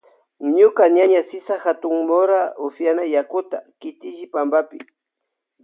Ñuka ñaña Sisa katukun mora upyan yakuta kitulli pampapi.